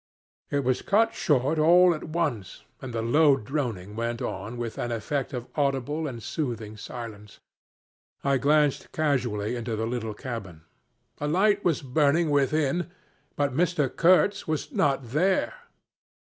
It was cut short all at once, and the low droning went on with an effect of audible and soothing silence. I glanced casually into the little cabin. A light was burning within, but Mr. Kurtz was not there.